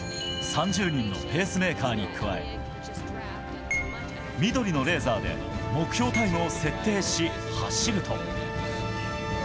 ３０人のペースメーカーに加え緑のレーザーで目標タイムを設定し、走ると。